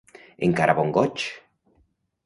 Encara bon goig!